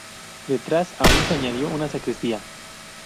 Detrás aún se añadió una sacristía.